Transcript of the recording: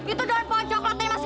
itu doang pohon coklatnya masih muda